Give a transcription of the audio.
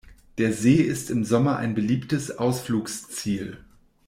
Der See ist im Sommer ein beliebtes Ausflugsziel.